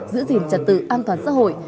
giữ gìn trật tự an toàn xã hội